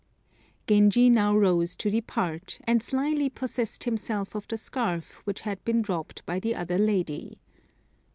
Genji now rose to depart, and slyly possessed himself of the scarf which had been dropped by the other lady.